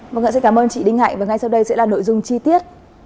vâng ạ xin cảm ơn chị đinh hạnh và ngay sau đây sẽ là nội dung chi tiết